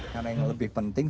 karena yang lebih penting